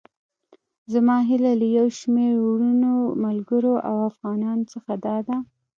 زما هيله له يو شمېر وروڼو، ملګرو او افغانانو څخه داده.